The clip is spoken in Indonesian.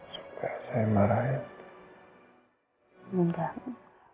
sudah saya marahin hai menjaga